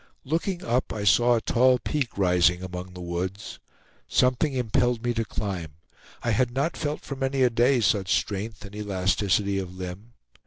Looking up, I saw a tall peak rising among the woods. Something impelled me to climb; I had not felt for many a day such strength and elasticity of limb.